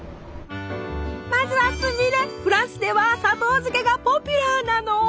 まずはフランスでは砂糖漬けがポピュラーなの。